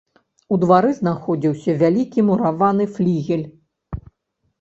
У двары знаходзіўся вялікі мураваны флігель.